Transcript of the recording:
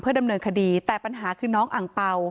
ดำเนินคดีแต่ปัญหาคือน้องอังเป่า